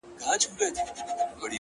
o سـتـــا خــبــــــري دي ـ